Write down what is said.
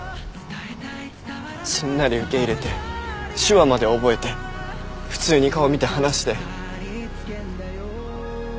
すんなり受け入れて手話まで覚えて普通に顔見て話して。